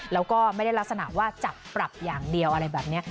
แล้วก็ไม่ได้ลักษณะว่าจับปรับอย่างเดียวอะไรแบบนี้